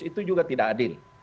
itu juga tidak adil